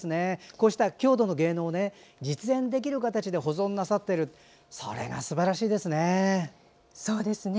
こうした郷土の芸能実演できる形で保存なさってる大変すばらしいですね。